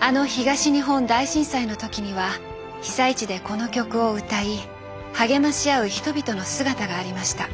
あの東日本大震災の時には被災地でこの曲を歌い励まし合う人々の姿がありました。